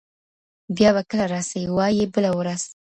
بیا به کله راسي، وايي بله ورځ